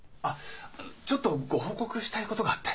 ちょっとご報告したいことがあって。